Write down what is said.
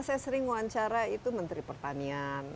saya sering wawancara itu menteri pertanian